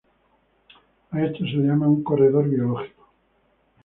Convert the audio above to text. A esto se le llama un corredor biológico.